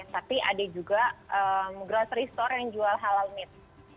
tapi ada juga grocery store yang jual halal meat